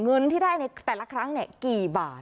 เงินที่ได้ในแต่ละครั้งกี่บาท